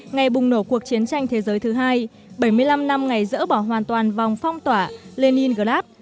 ngày bùng nổ cuộc chiến tranh thế giới thứ hai bảy mươi năm năm ngày dỡ bỏ hoàn toàn vòng phong tỏa lenin